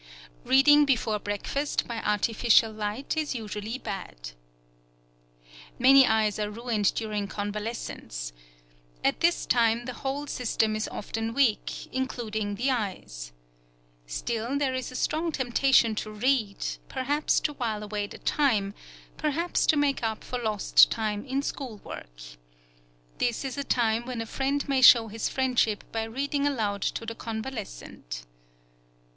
Reading before breakfast by artificial light is usually bad. Many eyes are ruined during convalescence. At this time the whole system is often weak, including the eyes. Still, there is a strong temptation to read, perhaps to while away the time, perhaps to make up for lost time in school work. This is a time when a friend may show his friendship by reading aloud to the convalescent.